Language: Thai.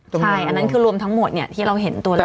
ใช่อันนั้นคือรวมทั้งหมดที่เราเห็นตัวเลข